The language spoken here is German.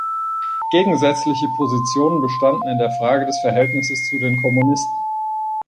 Gegensätzliche Positionen bestanden in der Frage des Verhältnisses zu den Kommunisten.